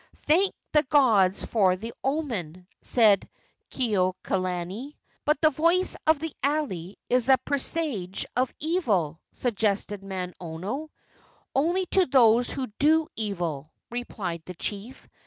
"Thank the gods for the omen!" said Kekuaokalani. "But the voice of the alae is a presage of evil," suggested Manono. "Only to those who do evil," replied the chief.